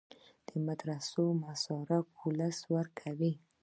د مدرسو مصارف ولس ورکوي